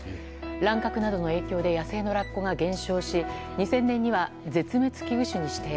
乱獲などの影響で野生のラッコが減少し２０００年には絶滅危惧種に指定。